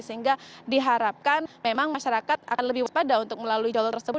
sehingga diharapkan memang masyarakat akan lebih waspada untuk melalui jalur tersebut